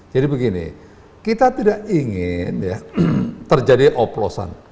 jadi begini kita tidak ingin terjadi oplosan